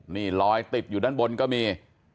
นี่ลอยติดอยู่ด้านบนก็มี